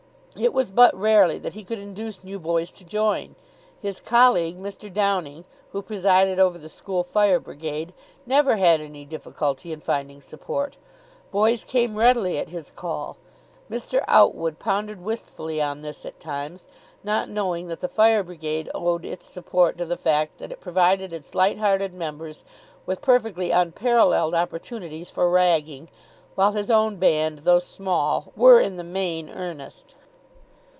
It was but rarely that he could induce new boys to join. His colleague, Mr. Downing, who presided over the School Fire Brigade, never had any difficulty in finding support. Boys came readily at his call. Mr. Outwood pondered wistfully on this at times, not knowing that the Fire Brigade owed its support to the fact that it provided its light hearted members with perfectly unparalleled opportunities for ragging, while his own band, though small, were in the main earnest.